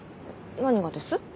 何がです？